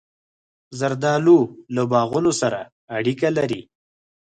زردالو له باغونو سره اړیکه لري.